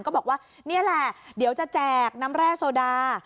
ก็บอกว่านี่แหละเดี๋ยวจะแจกน้ำแร่โซดา